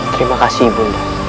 terima kasih ibu